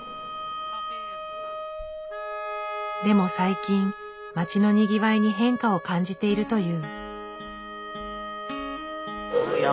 でも最近街のにぎわいに変化を感じているという。